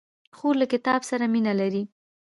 خور له کتاب سره مینه لري.